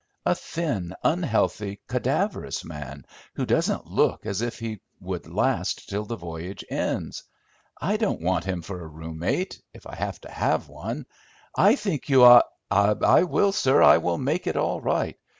"A thin, unhealthy, cadaverous man, who doesn't look as if he would last till the voyage ends. I don't want him for a room mate, if I have to have one. I think you ought—" "I will, sir. I will make it all right.